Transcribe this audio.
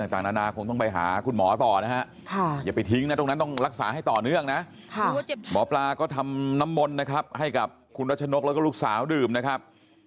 ต่างนานาคงต้องไปหาคุณหมอต่อนะฮะอย่าไปทิ้งนะตรงนั้นต้องรักษาให้ต่อเนื่องนะหมอปลาก็ทำน้ำมนต์นะครับให้กับคุณรัชนกแล้วก็ลูกสาวดื่มนะครับ